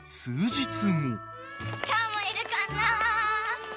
今日もいるかな。